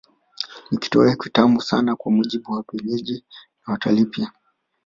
Ni kitoweo kitamu sana kwa mujibu wa wenyeji na watalii pia